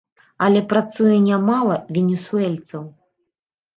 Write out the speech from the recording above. Але працуе нямала венесуэльцаў.